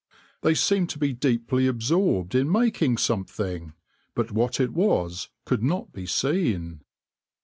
They seemed to be deeply absorbed in making something, but what it was could not be seen.